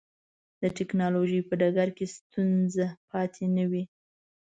د ټکنالوجۍ په ډګر کې ستونزه پاتې نه وي.